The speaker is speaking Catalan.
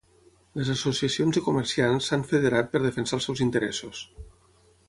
Les associacions de comerciants s'han federat per defensar els seus interessos.